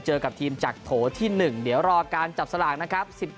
เจอกับทีมจากโถที่๑เดี๋ยวรอการจับสลากนะครับ